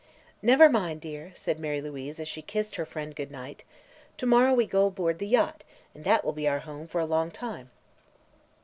"Never mind, dear," said Mary Louise, as she kissed her friend good night; "to morrow we go aboard the yacht, and that will be our home for a long time."